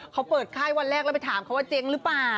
เขาเปิดค่ายวันแรกแล้วไปถามเขาว่าเจ๊งหรือเปล่า